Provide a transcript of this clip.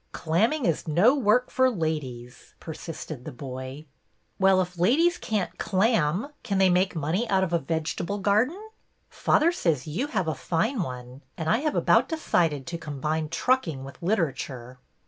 '' Clamming is no work for ladies," persisted the boy. '^Well, if ladies can't clam, can they make money out of a vegetable garden? Father says you have a fine one, and I have about decided to combine trucking with Literature."